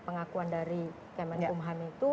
pengakuan dari kemenkumhan itu